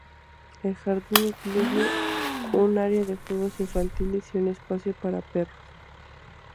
El jardín incluye un área de juegos infantiles y un espacio para perros.